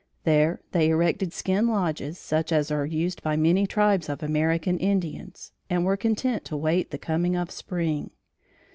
There they erected skin lodges, such as are used by many tribes of American Indians, and were content to wait the coming of spring.